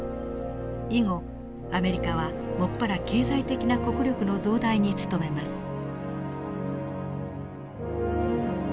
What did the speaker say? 以後アメリカは専ら経済的な国力の増大に努めます。